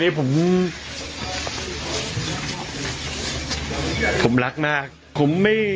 พี่ปั๊ดเดี๋ยวมาที่ร้องให้